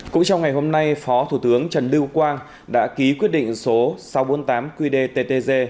cũng trong ngày hôm nay phó thủ tướng trần lưu quang đã ký quyết định số sáu trăm bốn mươi tám qdttg